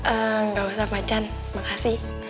eee gak usah ma can makasih